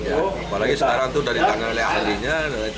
apalagi sekarang itu dari tangan ahlinya